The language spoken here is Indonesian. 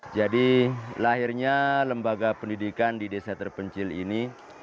jadi lahirnya lembaga pendidikan di desa terpencil ini